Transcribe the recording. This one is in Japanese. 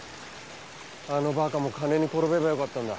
あのバカも金に転べばよかったんだ。